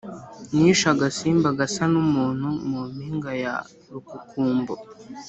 Nishe agasimba gasa n’umuntu mu mpinga ya Rukukumbo,